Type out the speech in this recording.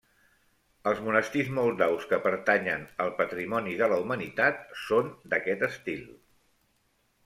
Els monestirs moldaus que pertanyen al patrimoni de la Humanitat són d'aquest estil.